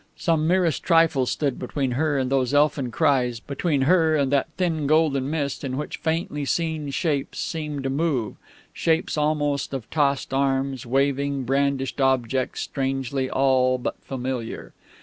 Some merest trifle stood between her and those elfin cries, between her and that thin golden mist in which faintly seen shapes seemed to move shapes almost of tossed arms, waving, brandishing objects strangely all but familiar.